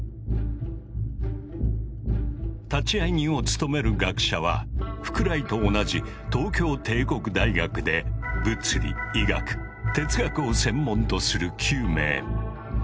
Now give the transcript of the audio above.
立会人を務める学者は福来と同じ東京帝国大学で物理医学哲学を専門とする９名。